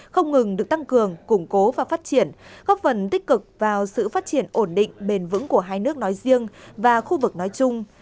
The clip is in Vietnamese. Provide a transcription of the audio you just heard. không ngừng được tăng cường củng cố và phát triển góp phần tích cực vào sự phát triển ổn định bền vững của hai nước nói riêng và khu vực nói chung